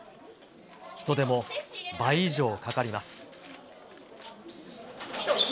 人手も倍以上かかります。